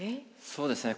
そうですね。